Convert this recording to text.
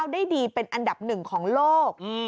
ได้ดีเป็นอันดับหนึ่งของโลก